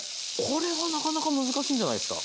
これはなかなか難しいんじゃないですか？